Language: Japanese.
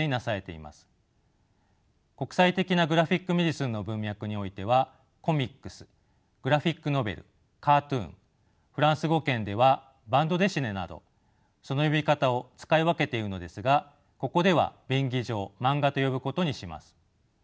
国際的なグラフィック・メディスンの文脈においてはコミックスグラフィック・ノベルカートゥーンフランス語圏ではバンド・デシネなどその呼び方を使い分けているのですがここでは便宜上マンガと呼ぶことにします。